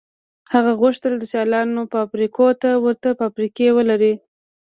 هغه غوښتل د سیالانو فابریکو ته ورته فابریکې ولري